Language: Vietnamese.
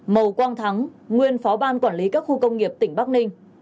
màu quang thắng nguyên phó ban quản lý các khu công nghiệp tỉnh bắc ninh